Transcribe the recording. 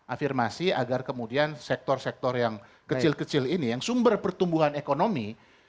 afirmasi agar kemudian sektor sektor yang kecil kecil ini yang sumber pertumbuhan ekonomi